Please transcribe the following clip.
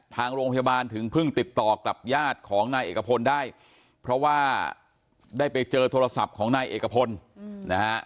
ทางโรงพยาบาลถึงเพิ่งติดต่อกับญาติของนายเอกพลได้เพราะว่าได้ไปเจอโทรศัพท์ของนายเอกพลนะฮะ